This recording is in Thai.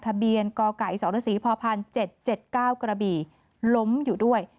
ทะเบียนกไก่สรสีพพ๗๗๙กระบี่ล้มอยู่ด้วย